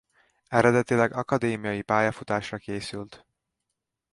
Eredetileg akadémiai pályafutásra készült.